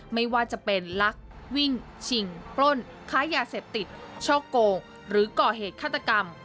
ไม่ว่าจะเป็นลักวิ่งชิงปล้นค้ายาเสพติดช่อโกงหรือก่อเหตุฆาตกรรม